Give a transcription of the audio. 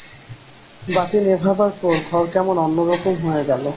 বাতি নোভাবার পর ঘর কেমন অন্য রকম হয়ে গেল।